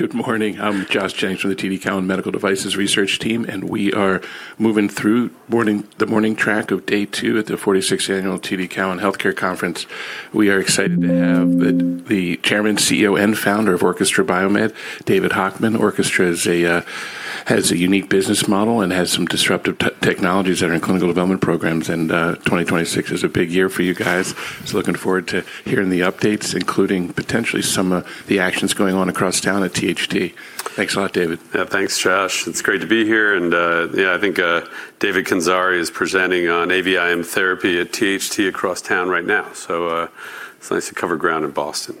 Good morning. I'm Josh Jennings from the TD Cowen Medical Devices Research Team. We are moving through the morning track of day two at the 46th Annual TD Cowen Healthcare Conference. We are excited to have the Chairman, CEO, and Founder of Orchestra BioMed, David Hochman. Orchestra is a has a unique business model and has some disruptive technologies that are in clinical development programs. 2026 is a big year for you guys. Looking forward to hearing the updates, including potentially some the actions going on across town at THT. Thanks a lot, David. Yeah, thanks, Josh. It's great to be here. I think David E. Kandzari is presenting on AVIM therapy at THT across town right now. It's nice to cover ground in Boston.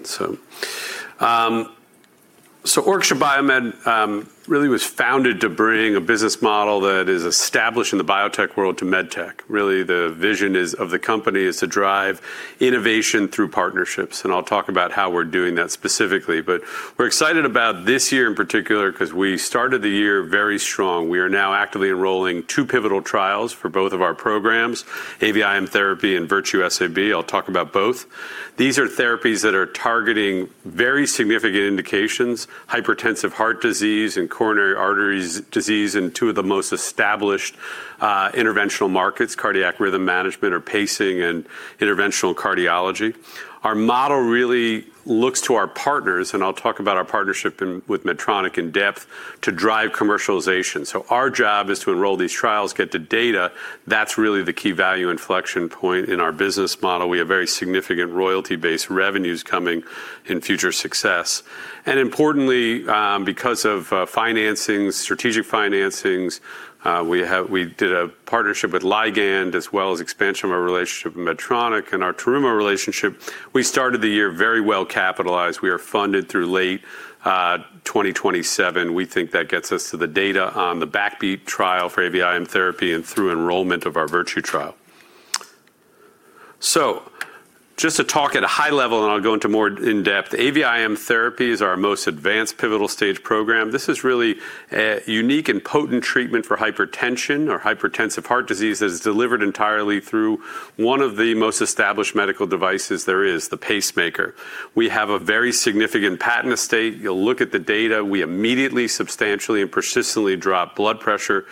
Orchestra BioMed really was founded to bring a business model that is established in the biotech world to med tech. Really, the vision of the company is to drive innovation through partnerships, and I'll talk about how we're doing that specifically. We're excited about this year in particular 'cause we started the year very strong. We are now actively enrolling two pivotal trials for both of our programs, AVIM therapy and VIRTUE SAB. I'll talk about both. These are therapies that are targeting very significant indications, hypertensive heart disease and coronary artery disease in two of the most established interventional markets, cardiac rhythm management or pacing and interventional cardiology. Our model really looks to our partners, and I'll talk about our partnership with Medtronic in depth to drive commercialization. Our job is to enroll these trials, get the data. That's really the key value inflection point in our business model. We have very significant royalty-based revenues coming in future success. Importantly, because of financings, strategic financings, we did a partnership with Ligand as well as expansion of our relationship with Medtronic and our Terumo relationship. We started the year very well capitalized. We are funded through late 2027. We think that gets us to the data on the BACKBEAT trial for AVIM therapy and through enrollment of our VIRTUE Trial. Just to talk at a high level, and I'll go into more in-depth. AVIM therapy is our most advanced pivotal stage program. This is really a unique and potent treatment for hypertension or hypertensive heart disease that is delivered entirely through one of the most established medical devices there is, the pacemaker. We have a very significant patent estate. You'll look at the data. We immediately, substantially, and persistently drop blood pressure.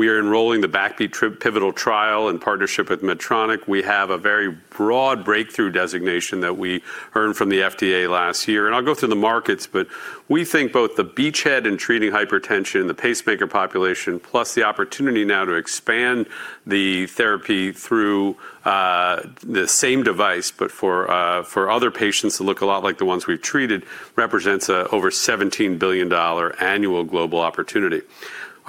We are enrolling the BACKBEAT pivotal trial in partnership with Medtronic. We have a very broad Breakthrough Designation that we earned from the FDA last year. I'll go through the markets, but we think both the beachhead in treating hypertension, the pacemaker population, plus the opportunity now to expand the therapy through the same device, but for other patients who look a lot like the ones we've treated, represents a over $17 billion annual global opportunity.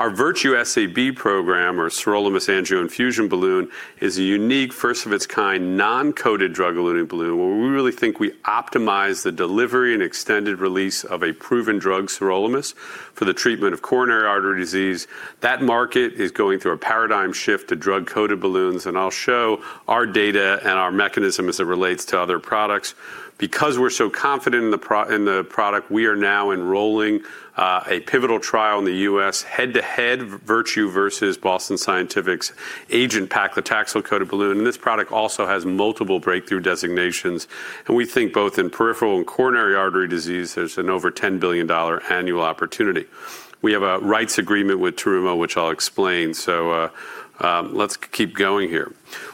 Our Virtue SAB program or sirolimus angioinfusion balloon is a unique first of its kind non-coated drug-eluting balloon where we really think we optimize the delivery and extended release of a proven drug, sirolimus, for the treatment of coronary artery disease. That market is going through a paradigm shift to drug-coated balloons. I'll show our data and our mechanism as it relates to other products. Because we're so confident in the product, we are now enrolling a pivotal trial in the U.S., head-to-head VIRTUE versus Boston Scientific's AGENT paclitaxel-coated balloon. This product also has multiple Breakthrough Designations. We think both in peripheral and coronary artery disease, there's an over $10 billion annual opportunity. We have a rights agreement with Terumo, which I'll explain. Let's keep going here.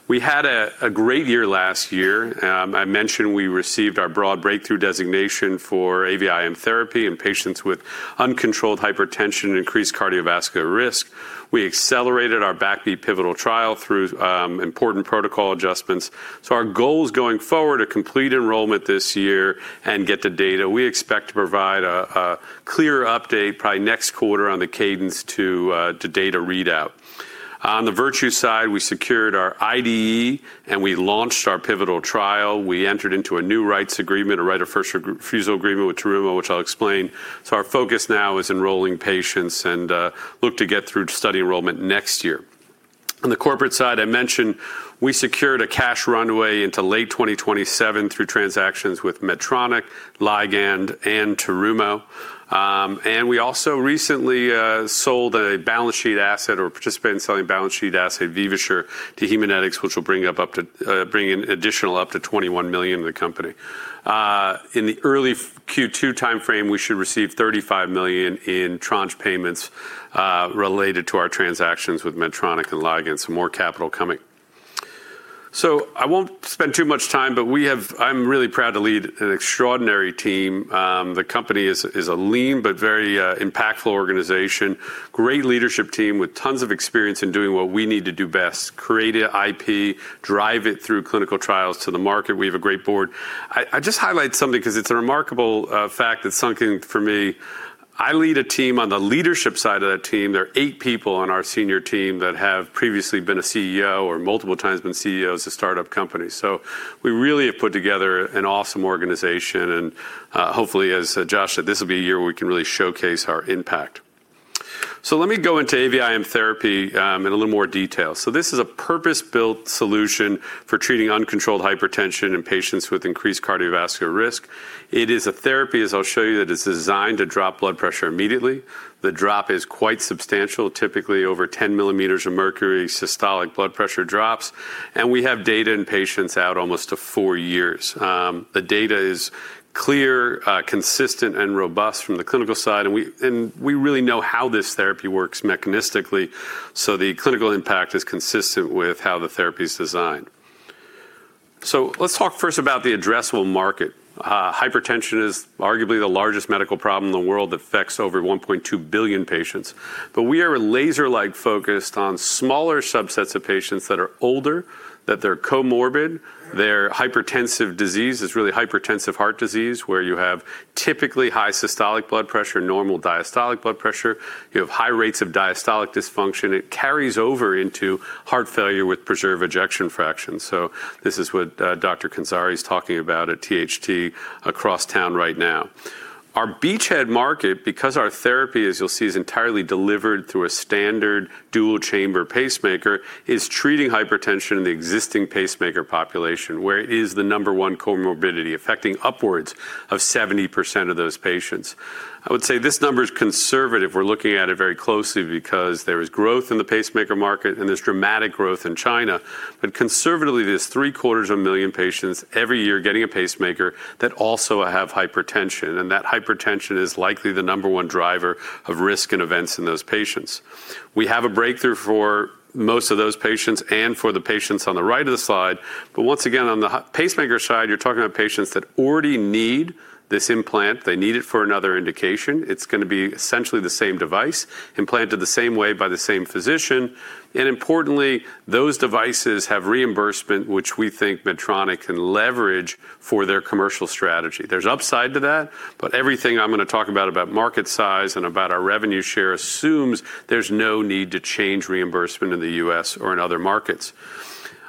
We had a great year last year. I mentioned we received our broad Breakthrough Designation for AVIM therapy in patients with uncontrolled hypertension and increased cardiovascular risk. We accelerated our BACKBEAT pivotal study through important protocol adjustments. Our goal is going forward to complete enrollment this year and get the data. We expect to provide a clear update probably next quarter on the cadence to data readout. On the VIRTUE side, we secured our IDE, and we launched our pivotal trial. We entered into a new rights agreement, a right of first refusal agreement with Terumo, which I'll explain. Our focus now is enrolling patients and look to get through to study enrollment next year. On the corporate side, I mentioned we secured a cash runway into late 2027 through transactions with Medtronic, Ligand, and Terumo. We also recently sold a balance sheet asset or participated in selling a balance sheet asset, Vivasure, to Haemonetics, which will bring in additional up to $21 million to the company. In the early Q2 timeframe, we should receive $35 million in tranche payments related to our transactions with Medtronic and Ligand. Some more capital coming. I won't spend too much time, but I'm really proud to lead an extraordinary team. The company is a lean but very impactful organization. Great leadership team with tons of experience in doing what we need to do best: create IP, drive it through clinical trials to the market. We have a great board. I just highlight something because it's a remarkable fact that something for me. I lead a team. On the leadership side of that team, there are eight people on our senior team that have previously been a CEO or multiple times been CEOs of startup companies. We really have put together an awesome organization, and hopefully, as Josh said, this will be a year where we can really showcase our impact. Let me go into AVIM therapy in a little more detail. This is a purpose-built solution for treating uncontrolled hypertension in patients with increased cardiovascular risk. It is a therapy, as I'll show you, that is designed to drop blood pressure immediately. The drop is quite substantial, typically over 10 millimeters of mercury systolic blood pressure drops. We have data in patients out almost to 4 years. The data is clear, consistent, and robust from the clinical side. We really know how this therapy works mechanistically, so the clinical impact is consistent with how the therapy is designed. Let's talk first about the addressable market. Hypertension is arguably the largest medical problem in the world, affects over 1.2 billion patients. We are laser-like focused on smaller subsets of patients that are older, that they're comorbid, their hypertensive disease is really hypertensive heart disease, where you have typically high systolic blood pressure, normal diastolic blood pressure. You have high rates of diastolic dysfunction. It carries over into Heart Failure with preserved Ejection Fraction. This is what Dr. Kandzari is talking about at THT across town right now. Our beachhead market, because our therapy, as you'll see, is entirely delivered through a standard dual-chamber pacemaker, is treating hypertension in the existing pacemaker population, where it is the number one comorbidity affecting upwards of 70% of those patients. I would say this number is conservative. We're looking at it very closely because there is growth in the pacemaker market and there's dramatic growth in China. Conservatively, there's three-quarters of a million patients every year getting a pacemaker that also have hypertension. That hypertension is likely the number one driver of risk and events in those patients. We have a Breakthrough for most of those patients and for the patients on the right of the slide. Once again, on the pacemaker side, you're talking about patients that already need this implant. They need it for another indication. It's gonna be essentially the same device implanted the same way by the same physician. Importantly, those devices have reimbursement, which we think Medtronic can leverage for their commercial strategy. There's upside to that, everything I'm gonna talk about market size and about our revenue share assumes there's no need to change reimbursement in the U.S. or in other markets.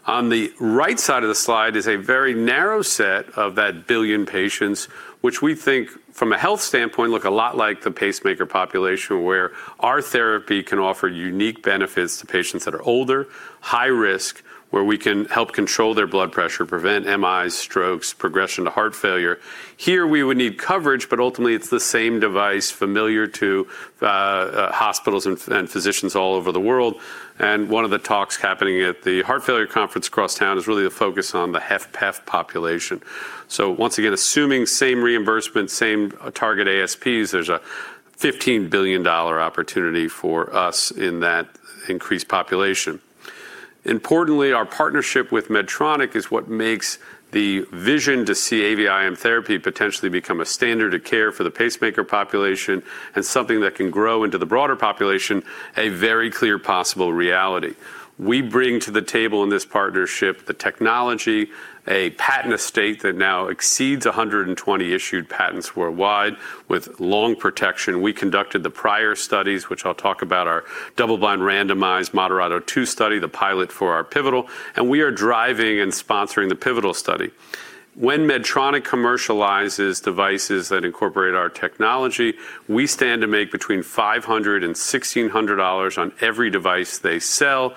On the right side of the slide is a very narrow set of that 1 billion patients, which we think from a health standpoint, look a lot like the pacemaker population, where our therapy can offer unique benefits to patients that are older, high risk, where we can help control their blood pressure, prevent MIs, strokes, progression to heart failure. Here we would need coverage, ultimately, it's the same device familiar to hospitals and physicians all over the world. One of the talks happening at the heart failure conference across town is really the focus on the HFpEF population. Once again, assuming same reimbursement, same target ASPs, there's a $15 billion opportunity for us in that increased population. Importantly, our partnership with Medtronic is what makes the vision to see AVIM therapy potentially become a standard of care for the pacemaker population and something that can grow into the broader population a very clear possible reality. We bring to the table in this partnership the technology, a patent estate that now exceeds 120 issued patents worldwide with long protection. We conducted the prior studies, which I'll talk about our double-blind randomized MODERATO II study, the pilot for our pivotal, and we are driving and sponsoring the pivotal study. When Medtronic commercializes devices that incorporate our technology, we stand to make between $500 and $1,600 on every device they sell.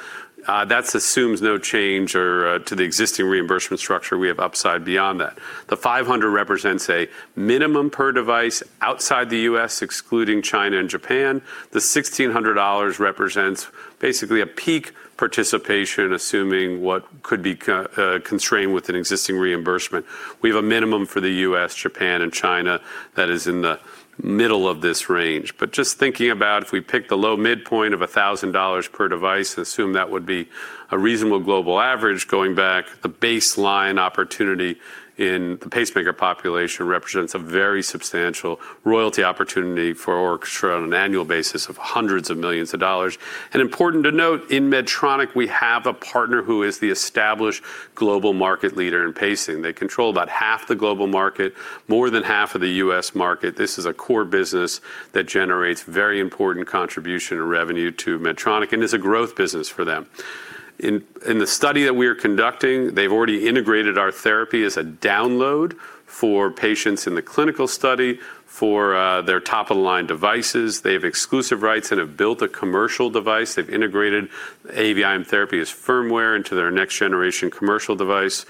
That assumes no change or to the existing reimbursement structure. We have upside beyond that. The $500 represents a minimum per device outside the U.S., excluding China and Japan. The $1,600 represents basically a peak participation, assuming what could be constrained with an existing reimbursement. We have a minimum for the U.S., Japan and China that is in the middle of this range. Just thinking about if we pick the low midpoint of $1,000 per device and assume that would be a reasonable global average going back, the baseline opportunity in the pacemaker population represents a very substantial royalty opportunity for Orchestra on an annual basis of hundreds of millions of dollars. Important to note, in Medtronic, we have a partner who is the established global market leader in pacing. They control about half the global market, more than half of the U.S. market. This is a core business that generates very important contribution and revenue to Medtronic and is a growth business for them. In the study that we are conducting, they've already integrated our therapy as a download for patients in the clinical study for their top-of-the-line devices. They have exclusive rights and have built a commercial device. They've integrated AVIM therapy as firmware into their next-generation commercial device.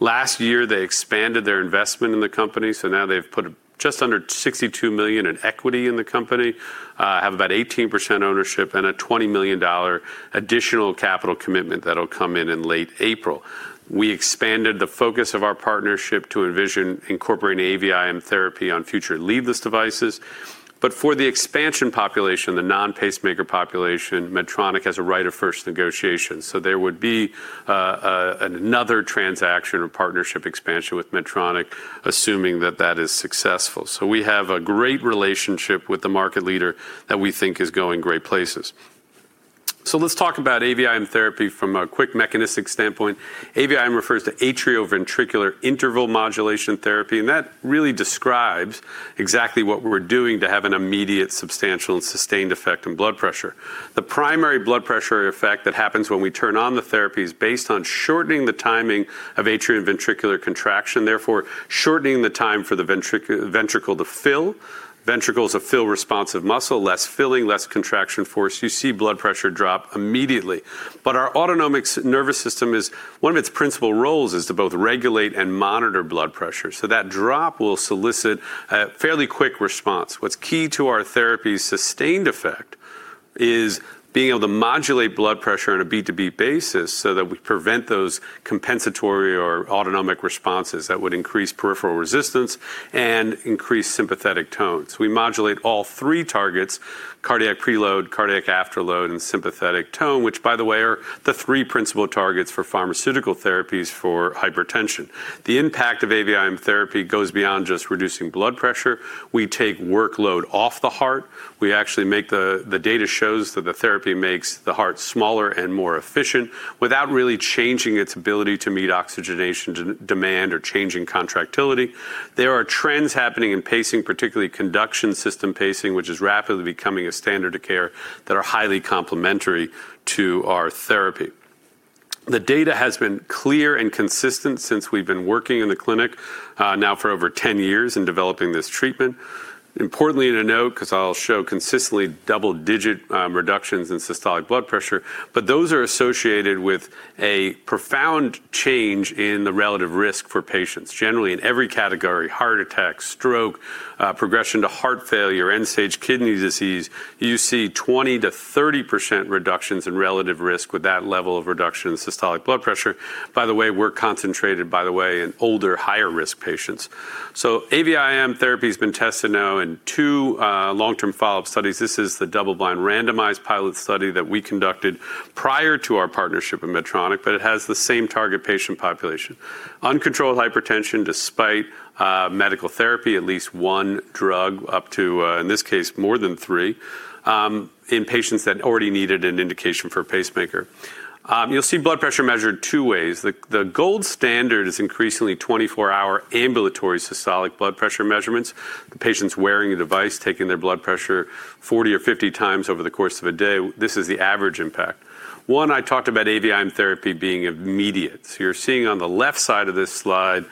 Last year, they expanded their investment in the company. Now they've put just under $62 million in equity in the company, have about 18% ownership and a $20 million additional capital commitment that'll come in in late April. We expanded the focus of our partnership to envision incorporating AVIM therapy on future leadless devices. For the expansion population, the non-pacemaker population, Medtronic has a right of first negotiation. There would be another transaction or partnership expansion with Medtronic, assuming that that is successful. We have a great relationship with the market leader that we think is going great places. Let's talk about AVIM therapy from a quick mechanistic standpoint. AVIM refers to atrioventricular interval modulation therapy, and that really describes exactly what we're doing to have an immediate, substantial, and sustained effect on blood pressure. The primary blood pressure effect that happens when we turn on the therapy is based on shortening the timing of atria and ventricular contraction, therefore shortening the time for the ventricle to fill. Ventricle is a fill responsive muscle, less filling, less contraction force. You see blood pressure drop immediately. Our autonomic nervous system is one of its principal roles is to both regulate and monitor blood pressure. That drop will solicit a fairly quick response. What's key to our therapy's sustained effect is being able to modulate blood pressure on a beat-to-beat basis so that we prevent those compensatory or autonomic responses that would increase peripheral resistance and increase sympathetic tone. We modulate all three targets, cardiac preload, cardiac afterload, and sympathetic tone, which by the way, are the three principal targets for pharmaceutical therapies for hypertension. The impact of AVIM therapy goes beyond just reducing blood pressure. We take workload off the heart. We actually make the data shows that the therapy makes the heart smaller and more efficient without really changing its ability to meet oxygenation demand or changing contractility. There are trends happening in pacing, particularly conduction system pacing, which is rapidly becoming a standard of care that are highly complementary to our therapy. The data has been clear and consistent since we've been working in the clinic, now for over 10 years in developing this treatment. Importantly to note, 'cause I'll show consistently double-digit reductions in systolic blood pressure, but those are associated with a profound change in the relative risk for patients. Generally, in every category, heart attack, stroke, progression to heart failure, end-stage kidney disease, you see 20%-30% reductions in relative risk with that level of reduction in systolic blood pressure. By the way, we're concentrated, by the way, in older, higher-risk patients. AVIM therapy has been tested now in 2 long-term follow-up studies. This is the double-blind randomized pilot study that we conducted prior to our partnership with Medtronic. It has the same target patient population. Uncontrolled hypertension despite medical therapy, at least one drug up to, in this case, more than three, in patients that already needed an indication for a pacemaker. You'll see blood pressure measured two ways. The gold standard is increasingly 24-hour ambulatory systolic blood pressure measurements. The patient's wearing a device, taking their blood pressure 40 or 50 times over the course of a day. This is the average impact. One, I talked about AVIM therapy being immediate. You're seeing on the left side of this slide,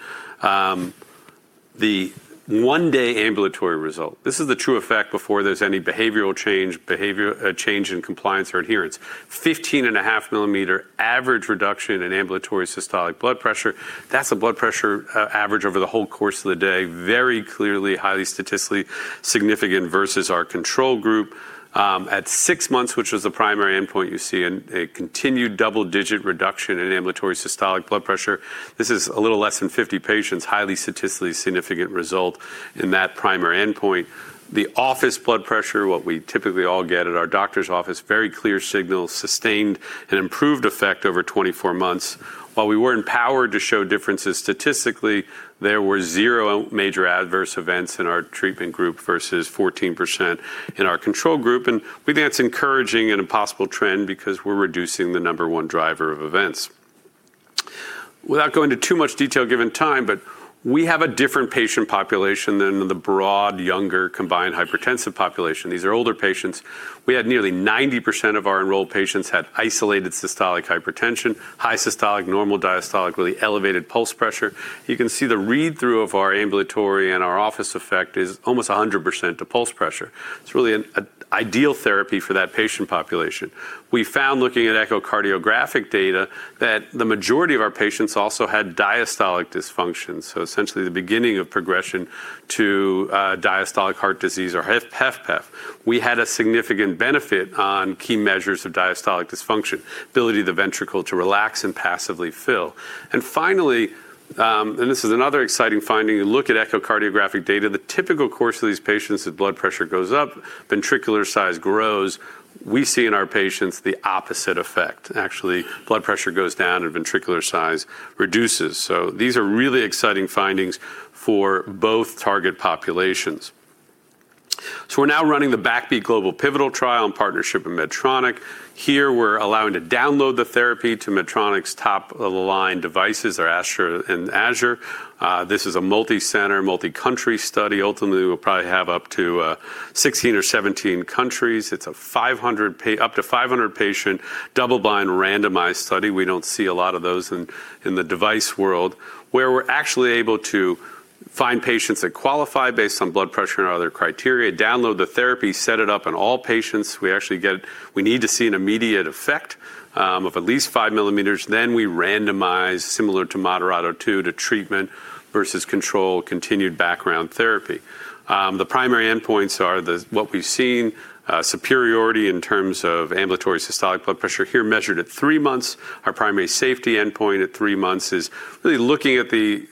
the 1-day ambulatory result. This is the true effect before there's any behavioral change in compliance or adherence. 15.5 millimeter average reduction in ambulatory systolic blood pressure. That's a blood pressure average over the whole course of the day. Very clearly, highly statistically significant versus our control group. At 6 months, which was the primary endpoint you see in a continued double-digit reduction in ambulatory systolic blood pressure. This is a little less than 50 patients, highly statistically significant result in that primary endpoint. The office blood pressure, what we typically all get at our doctor's office, very clear signal, sustained and improved effect over 24 months. While we weren't powered to show differences statistically, there were 0 major adverse events in our treatment group versus 14% in our control group. We think that's encouraging and a possible trend because we're reducing the number 1 driver of events. Without going into too much detail given time, but we have a different patient population than the broad, younger, combined hypertensive population. These are older patients. We had nearly 90% of our enrolled patients had isolated systolic hypertension, high systolic, normal diastolic, really elevated pulse pressure. You can see the read-through of our ambulatory and our office effect is almost 100% to pulse pressure. It's really an ideal therapy for that patient population. We found looking at echocardiographic data that the majority of our patients also had diastolic dysfunction, so essentially the beginning of progression to diastolic heart disease or HFpEF. We had a significant benefit on key measures of diastolic dysfunction, ability of the ventricle to relax and passively fill. Finally, and this is another exciting finding. You look at echocardiographic data, the typical course of these patients, the blood pressure goes up, ventricular size grows. We see in our patients the opposite effect. Actually, blood pressure goes down and ventricular size reduces. These are really exciting findings for both target populations. We're now running the BACKBEAT global pivotal trial in partnership with Medtronic. Here, we're allowing to download the therapy to Medtronic's top-of-the-line devices, their Azure. This is a multicenter, multicountry study. Ultimately, we'll probably have up to 16 or 17 countries. It's a 500 up to 500-patient double-blind randomized study. We don't see a lot of those in the device world, where we're actually able to find patients that qualify based on blood pressure and other criteria, download the therapy, set it up on all patients. We need to see an immediate effect of at least 5 millimeters. We randomize, similar to MODERATO II, to treatment versus control, continued background therapy. The primary endpoints are the, what we've seen, superiority in terms of ambulatory systolic blood pressure here measured at 3 months. Our primary safety endpoint at 3 months is really looking at the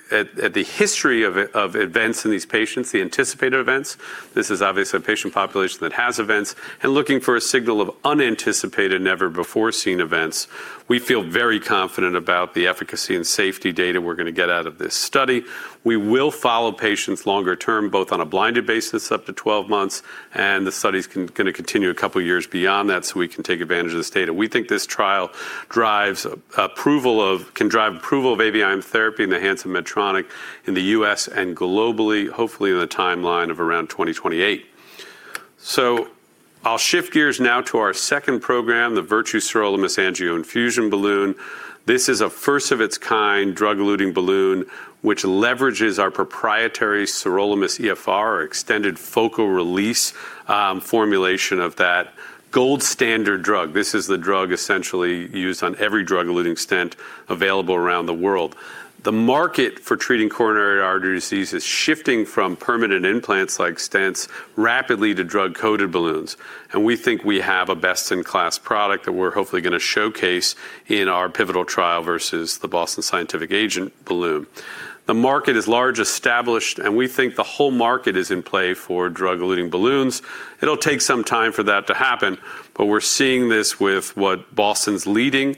history of events in these patients, the anticipated events. This is obviously a patient population that has events, and looking for a signal of unanticipated, never-before-seen events. We feel very confident about the efficacy and safety data we're gonna get out of this study. We will follow patients longer term, both on a blinded basis up to 12 months, and the study's gonna continue a couple of years beyond that, so we can take advantage of this data. We think this trial can drive approval of AVIM therapy in the hands of Medtronic in the U.S. and globally, hopefully in the timeline of around 2028. I'll shift gears now to our second program, the Virtue Sirolimus AngioInfusion Balloon. This is a first of its kind drug-eluting balloon, which leverages our proprietary SirolimusEFR or extended focal release formulation of that gold standard drug. This is the drug essentially used on every drug-eluting stent available around the world. The market for treating coronary artery disease is shifting from permanent implants like stents rapidly to drug-coated balloons, and we think we have a best-in-class product that we're hopefully gonna showcase in our pivotal trial versus the Boston Scientific AGENT balloon. The market is large established, and we think the whole market is in play for drug-eluting balloons. It'll take some time for that to happen, but we're seeing this with what Boston's leading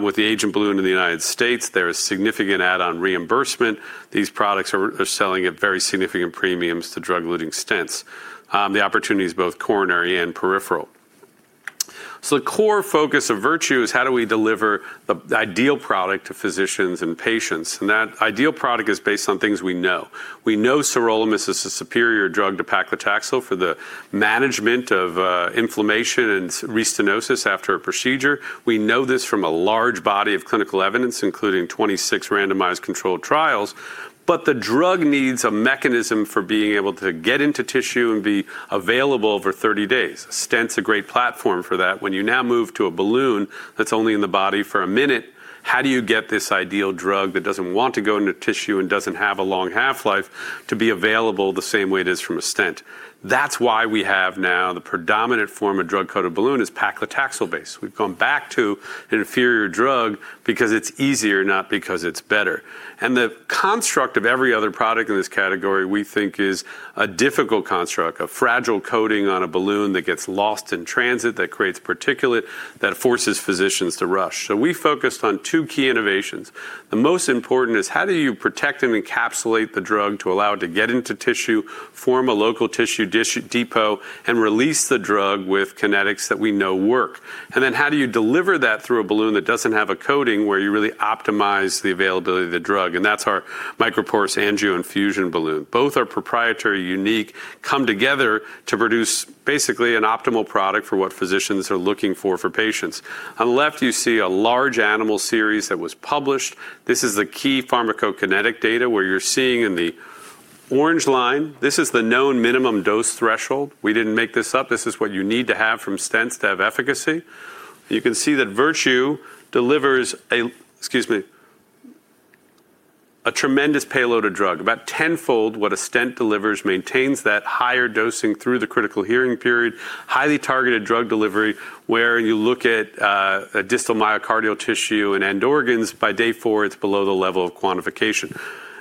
with the AGENT balloon in the U.S. There is significant add-on reimbursement. These products are selling at very significant premiums to drug-eluting stents. The opportunity is both coronary and peripheral. The core focus of Virtue is how do we deliver the ideal product to physicians and patients, and that ideal product is based on things we know. We know sirolimus is a superior drug to paclitaxel for the management of inflammation and restenosis after a procedure. We know this from a large body of clinical evidence, including 26 randomized controlled trials. The drug needs a mechanism for being able to get into tissue and be available for 30 days. Stent's a great platform for that. When you now move to a balloon that's only in the body for a minute, how do you get this ideal drug that doesn't want to go into tissue and doesn't have a long half-life to be available the same way it is from a stent? That's why we have now the predominant form of drug-coated balloon is paclitaxel base. We've gone back to an inferior drug because it's easier, not because it's better. The construct of every other product in this category, we think, is a difficult construct, a fragile coating on a balloon that gets lost in transit, that creates particulate, that forces physicians to rush. We focused on two key innovations. The most important is how do you protect and encapsulate the drug to allow it to get into tissue, form a local tissue depot, and release the drug with kinetics that we know work? How do you deliver that through a balloon that doesn't have a coating where you really optimize the availability of the drug? That's our microporous AngioInfusion Balloon. Both are proprietary, unique, come together to produce basically an optimal product for what physicians are looking for for patients. On the left, you see a large animal series that was published. This is the key pharmacokinetic data where you're seeing in the orange line. This is the known minimum dose threshold. We didn't make this up. This is what you need to have from stents to have efficacy. You can see that Virtue delivers a, excuse me, a tremendous payload of drug. About 10-fold what a stent delivers, maintains that higher dosing through the critical hearing period. Highly targeted drug delivery, where you look at a distal myocardial tissue and end organs. By day four, it's below the level of quantification.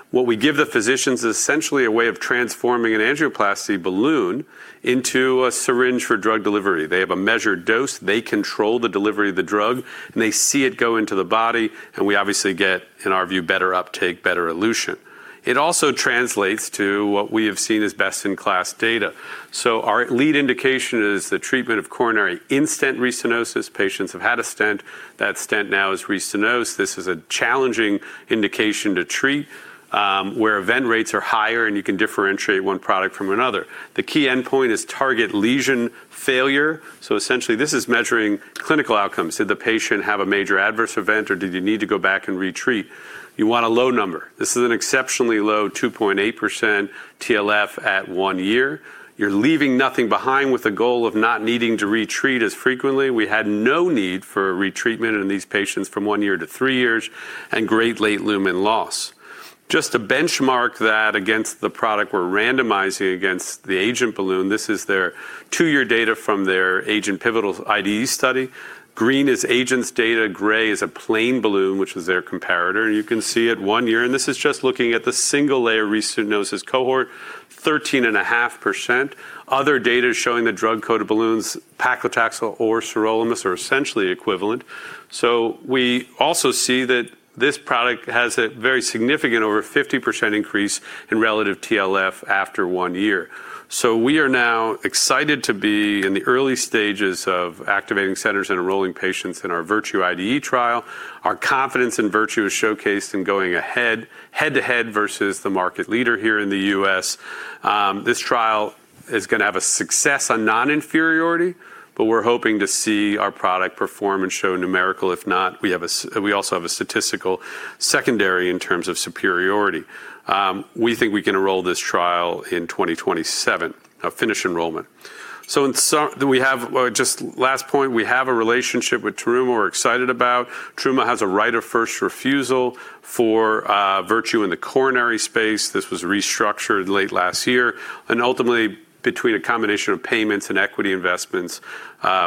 What we give the physicians is essentially a way of transforming an angioplasty balloon into a syringe for drug delivery. They have a measured dose, they control the delivery of the drug, and they see it go into the body, and we obviously get, in our view, better uptake, better elution. It also translates to what we have seen as best-in-class data. Our lead indication is the treatment of coronary in-stent restenosis. Patients have had a stent. That stent now is restenosed. This is a challenging indication to treat, where event rates are higher and you can differentiate one product from another. The key endpoint is target lesion failure. Essentially, this is measuring clinical outcomes. Did the patient have a major adverse event, or did you need to go back and retreat? You want a low number. This is an exceptionally low 2.8% TLF at one year. You're leaving nothing behind with the goal of not needing to retreat as frequently. We had no need for retreatment in these patients from one year to three years and great late lumen loss. Just to benchmark that against the product we're randomizing against the AGENT balloon, this is their 2-year data from their AGENT pivotal IDE study. Green is AGENT's data. Gray is a plain balloon, which is their comparator. You can see at one year, and this is just looking at the single-layer restenosis cohort, 13.5%. Other data showing the drug-coated balloons, paclitaxel or sirolimus, are essentially equivalent. We also see that this product has a very significant over 50% increase in relative TLF after one year. We are now excited to be in the early stages of activating centers and enrolling patients in our Virtue IDE trial. Our confidence in Virtue is showcased in going ahead, head-to-head versus the market leader here in the U.S. This trial is going to have a success on non-inferiority, but we're hoping to see our product perform and show numerical. If not, we also have a statistical secondary in terms of superiority. We think we can enroll this trial in 2027, finish enrollment. In just last point, we have a relationship with Terumo we're excited about. Terumo has a right of first refusal for Virtue in the coronary space. This was restructured late last year. Ultimately, between a combination of payments and equity investments,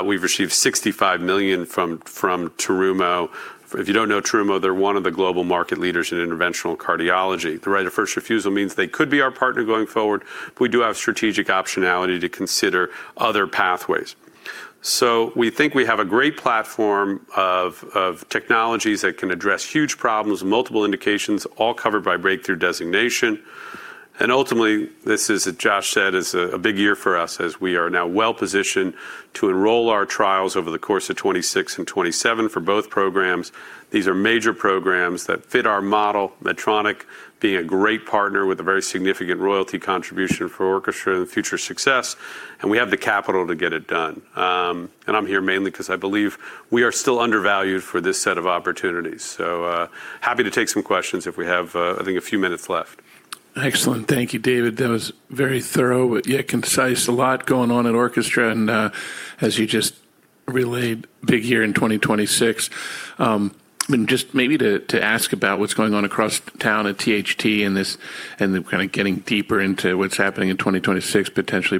we've received $65 million from Terumo. If you don't know Terumo, they're one of the global market leaders in interventional cardiology. The right of first refusal means they could be our partner going forward, but we do have strategic optionality to consider other pathways. We think we have a great platform of technologies that can address huge problems, multiple indications, all covered by Breakthrough Designation. Ultimately, this is, as Josh said, is a big year for us as we are now well-positioned to enroll our trials over the course of 2026 and 2027 for both programs. These are major programs that fit our model, Medtronic being a great partner with a very significant royalty contribution for Orchestra in the future success, and we have the capital to get it done. I'm here mainly 'cause I believe we are still undervalued for this set of opportunities. Happy to take some questions if we have, I think a few minutes left. Excellent. Thank you, David. That was very thorough yet concise. A lot going on at Orchestra, as you just, really big year in 2026. I mean, just maybe to ask about what's going on across town at THT and then kind of getting deeper into what's happening in 2026 potentially.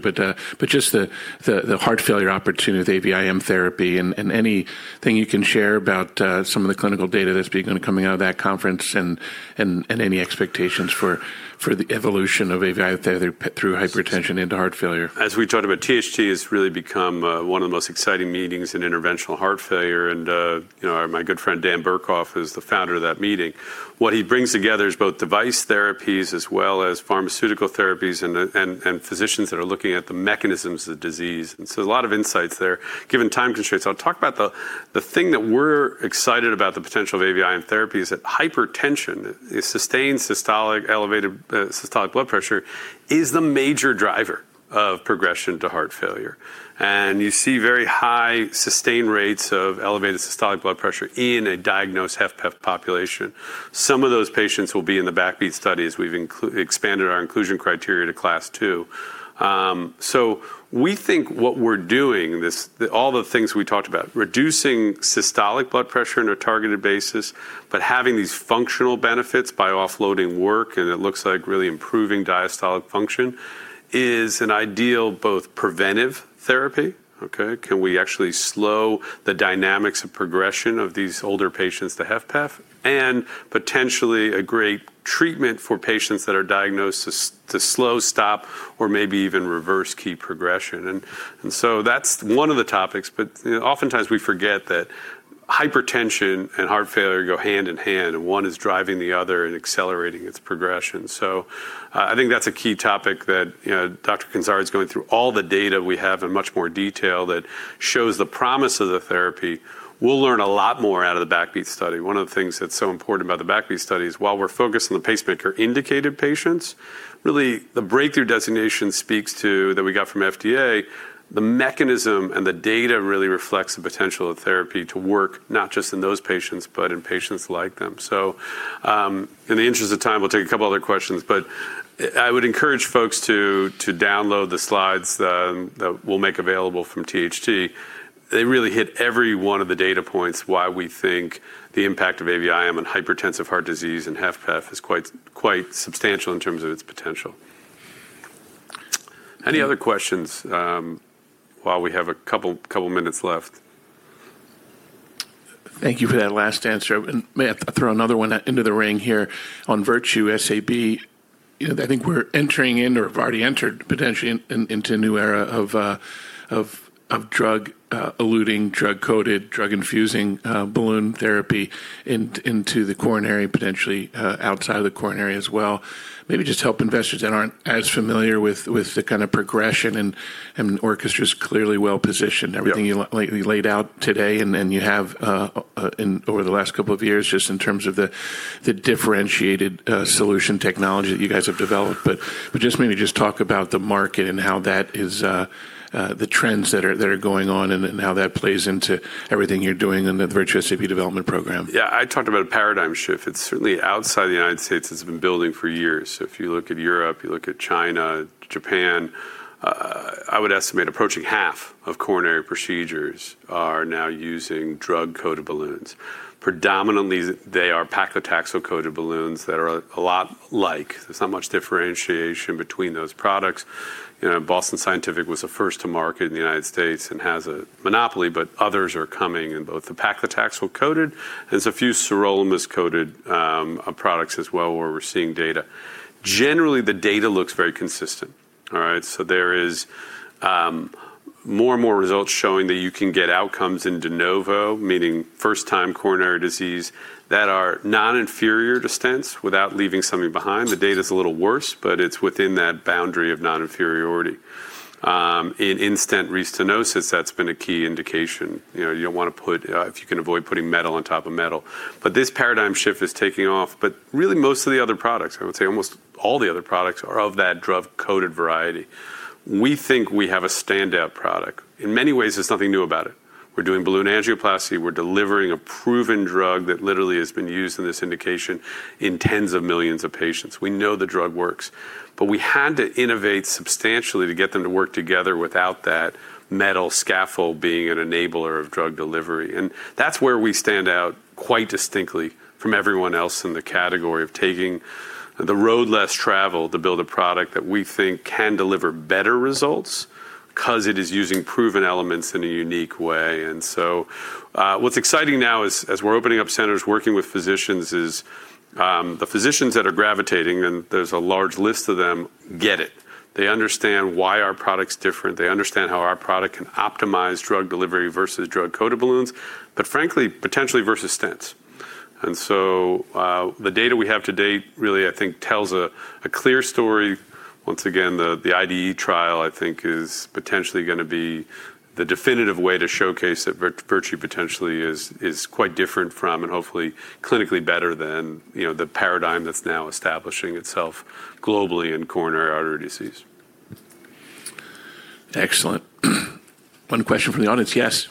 Just the heart failure opportunity with AVIM therapy and anything you can share about some of the clinical data that's been coming out of that conference and any expectations for the evolution of AVIM therapy through hypertension into heart failure. As we talked about, THT has really become one of the most exciting meetings in interventional heart failure and, you know, my good friend Dan Burkhoff, who's the founder of that meeting. What he brings together is both device therapies as well as pharmaceutical therapies and physicians that are looking at the mechanisms of the disease. A lot of insights there. Given time constraints, I'll talk about the thing that we're excited about the potential of AVIM therapy is that hypertension, elevated systolic blood pressure, is the major driver of progression to heart failure. You see very high sustained rates of elevated systolic blood pressure in a diagnosed HFpEF population. Some of those patients will be in the BACKBEAT studies. We've expanded our inclusion criteria to class two. We think what we're doing, all the things we talked about, reducing systolic blood pressure on a targeted basis, but having these functional benefits by offloading work, and it looks like really improving diastolic function, is an ideal, both preventive therapy. Can we actually slow the dynamics of progression of these older patients to HFpEF? Potentially a great treatment for patients that are diagnosed to slow, stop, or maybe even reverse key progression. That's one of the topics, but, you know, oftentimes we forget that hypertension and heart failure go hand in hand, and one is driving the other and accelerating its progression. I think that's a key topic that, you know, Dr. Kandzari is going through all the data we have in much more detail that shows the promise of the therapy. We'll learn a lot more out of the BACKBEAT study. One of the things that's so important about the BACKBEAT study is while we're focused on the pacemaker-indicated patients, really the Breakthrough Designation speaks to, that we got from FDA, the mechanism and the data really reflects the potential of therapy to work not just in those patients, but in patients like them. In the interest of time, we'll take a couple other questions, but I would encourage folks to download the slides that we'll make available from THT. They really hit every one of the data points why we think the impact of AVIM in hypertensive heart disease and HFpEF is quite substantial in terms of its potential. Any other questions while we have a couple minutes left? Thank you for that last answer. May I throw another one into the ring here on Virtue SAB. You know, I think we're entering into or have already entered potentially into a new era of drug-eluding, drug-coated, drug-infusing balloon therapy into the coronary, potentially, outside of the coronary as well. Maybe just help investors that aren't as familiar with the kind of progression and Orchestra's clearly well-positioned. Yeah. Everything you lately laid out today and you have over the last couple of years, just in terms of the differentiated solution technology that you guys have developed. Just maybe just talk about the market and how that is the trends that are going on and how that plays into everything you're doing in the Virtue SAB development program. Yeah. I talked about a paradigm shift. It's certainly outside the U.S., it's been building for years. If you look at Europe, you look at China, Japan, I would estimate approaching half of coronary procedures are now using drug-coated balloons. Predominantly, they are paclitaxel-coated balloons that are a lot like. There's not much differentiation between those products. You know, Boston Scientific was the first to market in the U.S. and has a monopoly, but others are coming in both the paclitaxel-coated. There's a few sirolimus-coated products as well where we're seeing data. Generally, the data looks very consistent. All right? There is more and more results showing that you can get outcomes in de novo, meaning first-time coronary disease, that are non-inferior to stents without leaving something behind. The data is a little worse, but it's within that boundary of non-inferiority. In-stent restenosis, that's been a key indication. You know, you don't wanna put, if you can avoid putting metal on top of metal. This paradigm shift is taking off. Really most of the other products, I would say almost all the other products, are of that drug-coated variety. We think we have a standout product. In many ways, there's nothing new about it. We're doing balloon angioplasty. We're delivering a proven drug that literally has been used in this indication in tens of millions of patients. We know the drug works. We had to innovate substantially to get them to work together without that metal scaffold being an enabler of drug delivery. That's where we stand out quite distinctly from everyone else in the category of taking the road less traveled to build a product that we think can deliver better results because it is using proven elements in a unique way. What's exciting now is, as we're opening up centers working with physicians, is the physicians that are gravitating, and there's a large list of them, get it. They understand why our product's different. They understand how our product can optimize drug delivery versus drug-coated balloons, but frankly, potentially versus stents. The data we have to date really, I think, tells a clear story. Once again, the IDE trial, I think, is potentially gonna be the definitive way to showcase that Virtue potentially is quite different from and hopefully clinically better than, you know, the paradigm that's now establishing itself globally in coronary artery disease. Excellent. One question from the audience. Yes.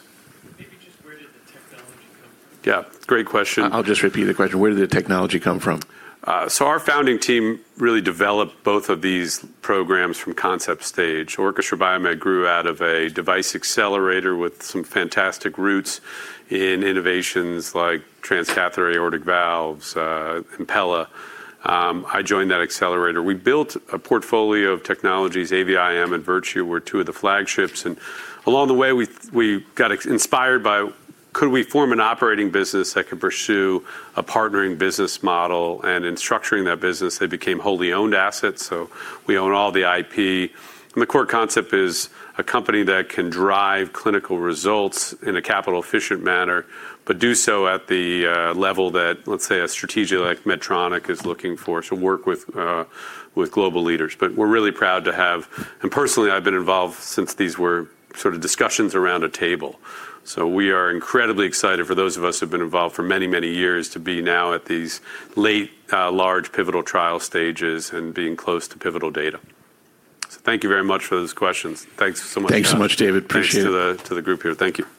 Maybe just where did the technology come from? Yeah, great question. I'll just repeat the question. Where did the technology come from? Our founding team really developed both of these programs from concept stage. Orchestra BioMed grew out of a device accelerator with some fantastic roots in innovations like transcatheter aortic valves, Impella. I joined that accelerator. We built a portfolio of technologies. AVIM and Virtue were two of the flagships. Along the way, we got inspired by could we form an operating business that could pursue a partnering business model? In structuring that business, they became wholly owned assets, so we own all the IP. The core concept is a company that can drive clinical results in a capital-efficient manner, but do so at the level that, let's say, a strategic like Medtronic is looking for. Work with global leaders. We're really proud to have... Personally, I've been involved since these were sort of discussions around a table. We are incredibly excited for those of us who've been involved for many, many years to be now at these late, large pivotal trial stages and being close to pivotal data. Thank you very much for those questions. Thanks so much. Thanks so much, David. Appreciate it. Thanks to the group here. Thank you.